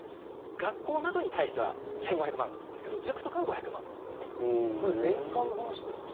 学校などに対しては１５００万なんですけどこれ、年間の話ですか？